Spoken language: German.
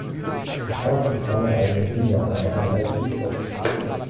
Das Paar hatte keine eigenen Kinder, aber eine Adoptivtochter.